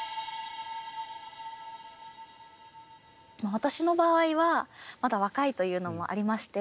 私の場合はまだ若いというのもありまして